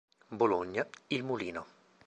Bologna: Il Mulino.